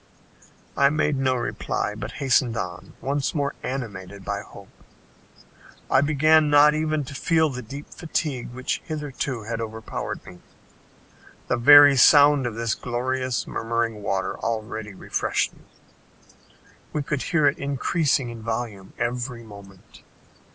I made no reply, but hastened on, once more animated by hope. I began not even to feel the deep fatigue which hitherto had overpowered me. The very sound of this glorious murmuring water already refreshed me. We could hear it increasing in volume every moment.